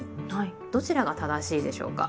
どちらが正しいでしょうか？